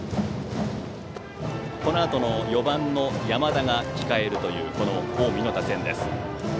このあと、４番の山田が控えるという近江打線です。